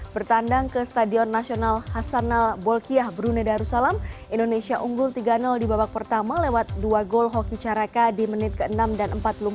bertandang ke stadion nasional hasanal bolkiah brunei darussalam indonesia unggul tiga di babak pertama lewat dua gol hoki caraka di menit ke enam dan empat puluh empat